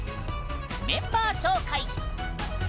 「メンバー紹介」！